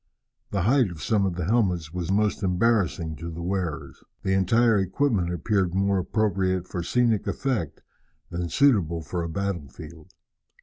The height of some of the helmets was most embarrassing to the wearers. The entire equipment appeared more appropriate for scenic effect than suitable for a battlefield.